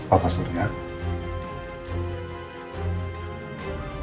heute ga mkinggikan aku